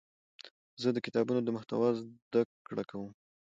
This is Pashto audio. زه د کتابونو د محتوا زده کړه کوم.